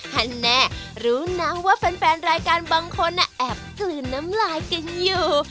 แน่รู้นะว่าแฟนรายการบางคนแอบกลืนน้ำลายกันอยู่